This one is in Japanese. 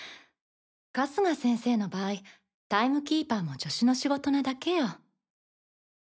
春日先生の場合タイムキーパーも助手の仕事なだけよ。